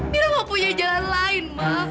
mira mau punya jalan lain ma